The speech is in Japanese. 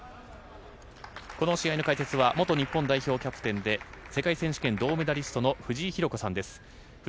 この試合の解説は元日本代表キャプテンで世界選手権・銅メダリストの藤井寛子さんです。